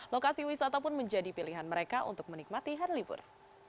lokasi wisata pun menjadi pilihan mereka untuk menikmati hari libur